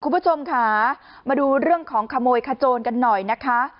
คุณผู้ชมค่ะมาดูเรื่องของขโมยขโจนกันหน่อยนะคะ